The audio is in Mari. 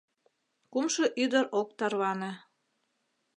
Кумшо ӱдыр ок тарване.